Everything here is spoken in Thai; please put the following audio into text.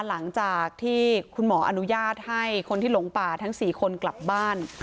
หลังจากที่คุณหมออนุญาตให้คนที่หลงป่าทั้ง๔คนกลับบ้าน